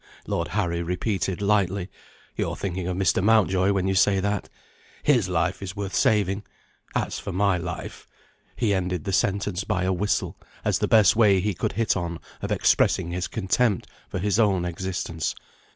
Lord Harry repeated lightly. "You're thinking of Mr. Mountjoy, when you say that. His life is worth saving. As for my life" He ended the sentence by a whistle, as the best way he could hit on of expressing his contempt for his own existence.